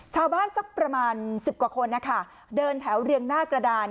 สักประมาณ๑๐กว่าคนนะคะเดินแถวเรียงหน้ากระดาน